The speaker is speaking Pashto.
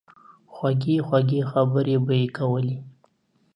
خوږې خوږې خبرې به ئې کولې